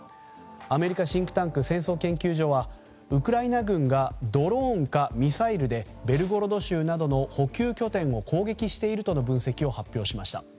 アメリカシンクタンク戦争研究所はウクライナ軍がドローンかミサイルでベルゴロド州などの補給拠点を攻撃しているとの分析を発表しました。